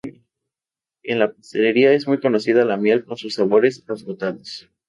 En la pastelería es muy conocida la miel con sus sabores afrutados.